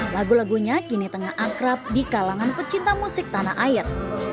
lagu lagunya kini tengah akrab di kalangan pecinta musik tanah air